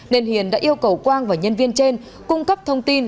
nên hiền đã yêu cầu quang và nhân viên trên cung cấp thông tin